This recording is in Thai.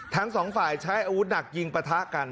ทั้งสองฝ่ายใช้อาวุธหนักยิงปะทะกัน